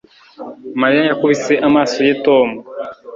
Mariya yakubise amaso ye Tom